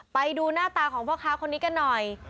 ไปดูหน้าตาของพ่อค้าคนนี้กันหน่อย